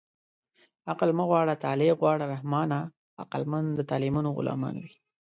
عقل مه غواړه طالع غواړه رحمانه عقلمند د طالعمندو غلامان دي